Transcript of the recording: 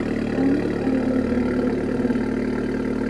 Qam payllatami yarparanki.